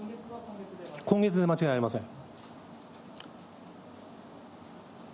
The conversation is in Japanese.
今月で間違いありません。